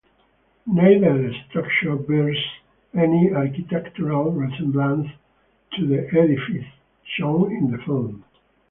Neither structure bears any architectural resemblance to the edifice shown in the film.